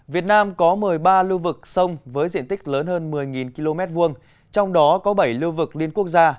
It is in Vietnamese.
việt nam có một mươi ba lưu vực sông với diện tích lớn hơn một mươi km hai trong đó có bảy lưu vực liên quốc gia